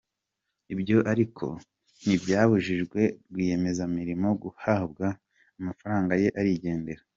Ibyo ariko ntibyabujijwe rwiyemezamirimo guhabwa amafaranga ye arigendera.